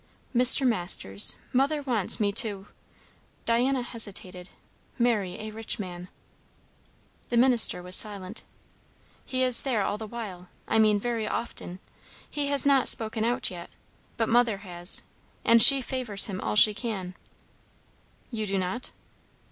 "Mr. Masters, mother wants me to" Diana hesitated "marry a rich man." The minister was silent. "He is there all the while I mean, very often; he has not spoken out yet, but mother has; and she favours him all she can." "You do not?"